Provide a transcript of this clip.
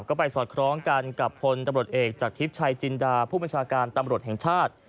ก็ไปสอดคล้องกันกับพลตำรวจเอกจากทิพย์ชัยจินดาผู้บัญชาการตำรวจแห่งชาติ